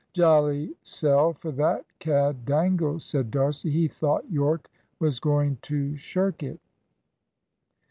"Jolly sell for that cad Dangle," said D'Arcy. "He thought Yorke was going to shirk it."